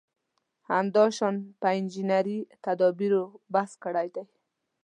همداشان په انجنیري تدابېرو بحث کړی دی.